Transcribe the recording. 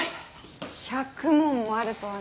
１００問もあるとはね。